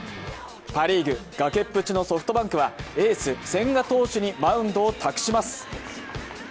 パ・リーグ、崖っぷちのソフトバンクはエース・千賀投手にマウンドを託します。